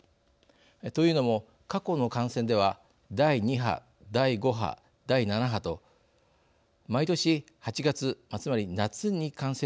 というのも過去の感染では第２波第５波第７波と毎年８月つまり夏に感染のピークがありました。